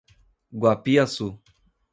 Guapiaçu